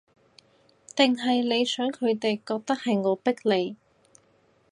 定係你想佢覺得，係我逼你